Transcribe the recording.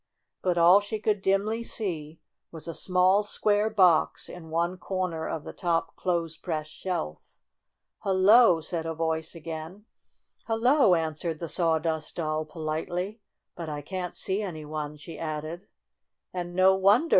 But all she could dimly see was a small, square box in one corner of the top clothes ' press shelf. "Hello!" said a voice again. 52 STORY OF A SAWDUST DOLL " Hello !" answered the Sawdust Doll politely. "But I can't see any one," she added. "And no wonder!